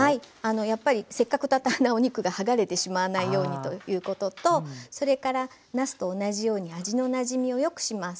やっぱりせっかくたたんだお肉が剥がれてしまわないようにということとそれからなすと同じように味のなじみを良くします。